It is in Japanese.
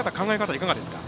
いかがですか？